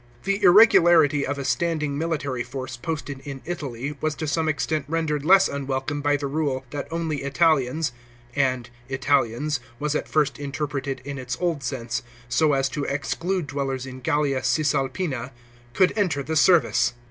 The irregularity of a standing military force posted in Italy, was to some extent rendered less unwelcome by the rule that only Italians — and "Italians" was at first interpreted in its old sense, so as to exclude dwellers in Gallia Cisalpina — could enter the service.